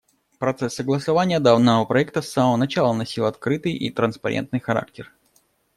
Процесс согласования данного проекта с самого начала носил открытый и транспарентный характер.